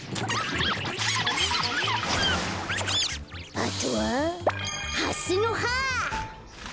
あとはハスのは！